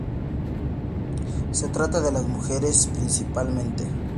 Se trata de las mujeres, principalmente.